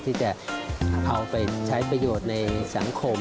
ที่จะเอาไปใช้ประโยชน์ในสังคม